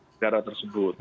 di negara tersebut